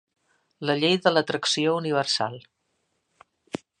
La llei de l'atracció universal.